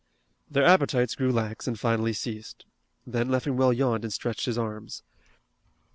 Their appetites grew lax and finally ceased. Then Leffingwell yawned and stretched his arms.